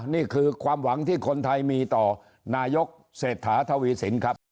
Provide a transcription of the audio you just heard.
นี่คือความหวังที่คนไทยมีต่อนายกเศรษฐาทวีสินครับ